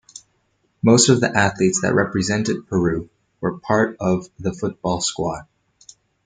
Most of the athletes that represented Peru were part of the football squad.